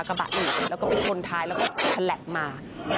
กระบะนี่แล้วจนแล้วมันคลรักมา